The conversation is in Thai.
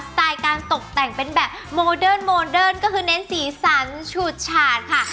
สไตล์การตกแต่งเป็นแบบโมเดิร์นก็คือเน้นสีสันชุดฉาดค่ะ